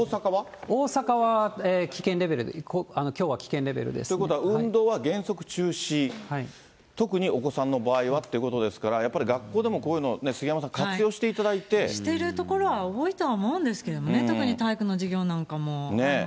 大阪は危険レベル、きょうはということは、運動は原則中止、特にお子さんの場合はということですから、やっぱり学校でもこういうのを杉山さん、している所は多いとは思うんですけどね、特に体育の授業なんかも。